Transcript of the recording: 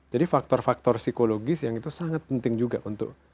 jadi faktor faktor psikologis yang itu sangat penting juga untuk